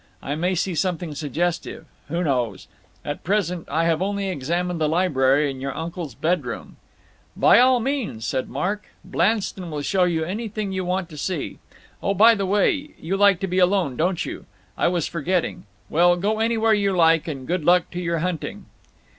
I may see something suggestive. Who knows? At present I have only examined the library and your uncle's bedroom." "By all means," said Mark. "Blanston will show you anything you want to see. Oh, by the by, you like to be alone, don't you? I was forgetting. Well, go anywhere you like; and good luck to your hunting!"